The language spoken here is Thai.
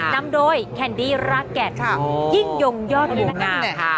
นำโดยแคนดี้ราแกดยิ่งย่องยอดเลยนะคะ